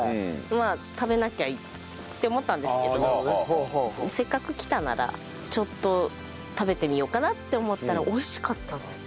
まあ食べなきゃいいって思ったんですけどせっかく来たならちょっと食べてみようかなって思ったら美味しかったんです。